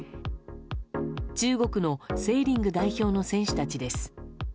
中国のセーリング代表の選手たちです。